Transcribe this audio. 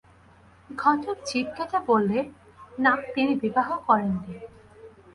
ঘটক জিভ কেটে বললে, না, তিনি বিবাহ করেন নি।